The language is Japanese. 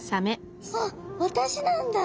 あっ私なんだ。